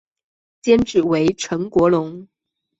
监制为岑国荣。